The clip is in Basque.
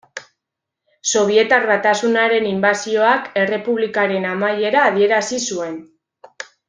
Sobietar Batasunaren inbasioak errepublikaren amaiera adierazi zuen.